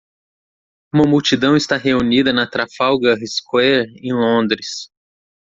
Uma multidão está reunida na Trafalgar Square, em Londres.